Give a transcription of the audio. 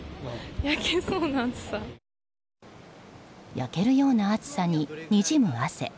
焼けるような暑さに、にじむ汗。